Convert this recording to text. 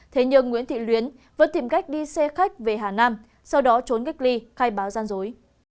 thế nhưng nguyễn thị luyến vẫn tìm cách đi xe khách về hà nam sau đó trốn cách ly khai báo gian dối